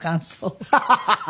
ハハハハ。